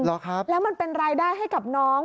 หรอครับแล้วมันเป็นรายได้ให้กับน้อง